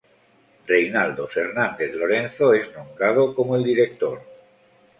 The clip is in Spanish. Reynaldo Fernández Lorenzo es nombrado como el Director.